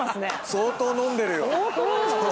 相当飲んでるよ。